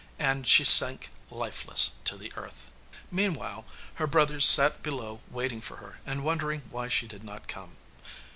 And she sank lifeless to the earth. Meanwhile her brothers sat below waiting for her and wondering why she did not come.